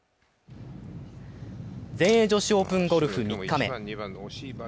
全英女子オープンゴルフ３日目。